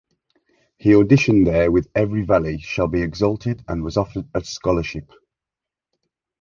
He auditioned there with Every Valley Shall be Exalted and was offered a scholarship.